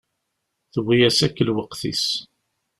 Tewwi-as akk lweqt-is.